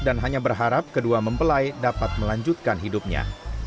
dan hanya berharap kedua mempelai dapat melanjutkan hidupnya